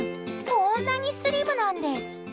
こんなにスリムなんです。